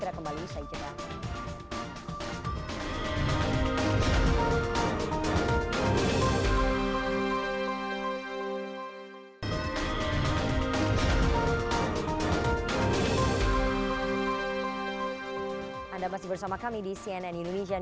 rakyat ini sudah menuntut